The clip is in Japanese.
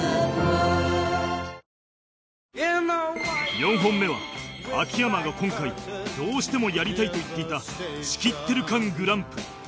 ４本目は秋山が今回どうしてもやりたいと言っていた「仕切ってる感グランプリ」